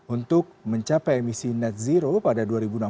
untuk mencapai emisi net zero pada dua ribu enam belas